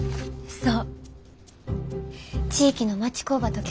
そう！